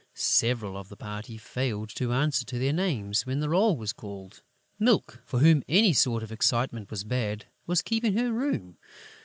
Several of the party failed to answer to their names when the roll was called. Milk, for whom any sort of excitement was bad, was keeping her room.